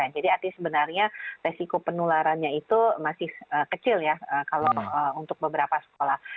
jadi artinya sebenarnya resiko penularannya itu masih kecil ya kalau untuk beberapa sekolah